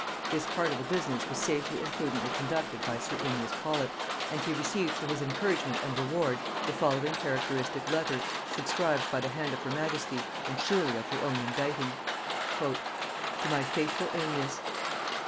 This part of the business was safely and prudently conducted by sir Amias Paulet; and he received for his encouragement and reward the following characteristic letter, subscribed by the hand of her majesty, and surely of her own inditing. "To my faithful Amias.